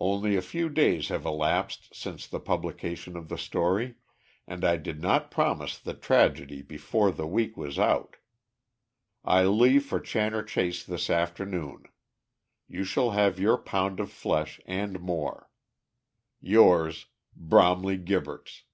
Only a few days have elapsed since the publication of the story, and I did not promise the tragedy before the week was out. I leave for Channor Chase this afternoon. You shall have your pound of flesh, and more. Yours, "BROMLEY GIBBERTS."